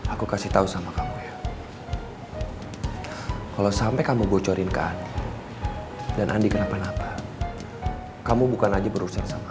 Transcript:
aku kasih tahu sama kamu ya kalau sampai kamu bocorin ke andi dan andi kenapa napa kamu bukan aja berusaha sama